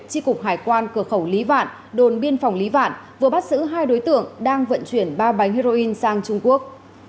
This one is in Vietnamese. tri cục hải quan cửa khẩu lý vạn đồn biên phòng lý vạn vừa bắt giữ hai đối tượng đang vận chuyển ba bánh heroin sang trung quốc